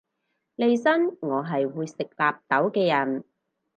利申我係會食納豆嘅人